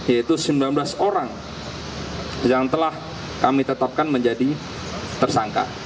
yaitu sembilan belas orang yang telah kami tetapkan menjadi tersangka